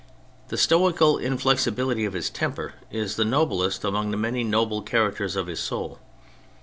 The stoical inflexibility of his temper is the noblest among the many noble characters of his soul.